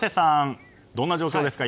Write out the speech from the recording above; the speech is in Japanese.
どんな状況ですか？